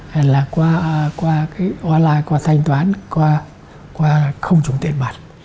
hay là qua cái online qua thanh toán qua không dùng tiền mặt